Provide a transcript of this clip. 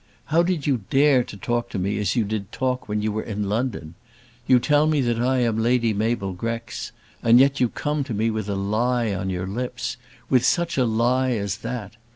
How did you dare to talk to me as you did talk when you were in London? You tell me that I am Lady Mabel Grex; and yet you come to me with a lie on your lips, with such a lie as that!